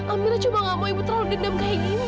amirah cuma nggak mau ibu terlalu dendam kayak gini